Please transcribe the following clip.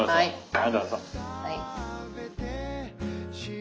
はいどうぞ。